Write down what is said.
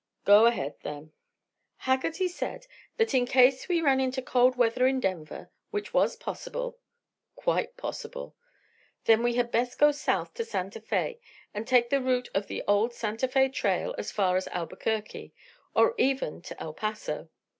"Go ahead, then." "Haggerty said that in case we ran into cold weather in Denver, which was possible " "Quite possible!" "Then we had best go south to Santa Fe and take the route of the old Santa Fe Trail as far as Albuquerque, or even to El Paso.